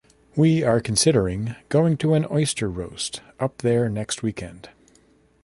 We are considering going to an oyster roast up there next weekend